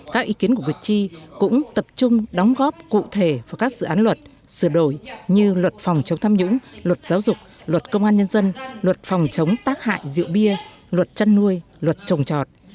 các ý kiến của cử tri cũng tập trung đóng góp cụ thể vào các dự án luật sửa đổi như luật phòng chống tham nhũng luật giáo dục luật công an nhân dân luật phòng chống tác hại rượu bia luật chăn nuôi luật trồng trọt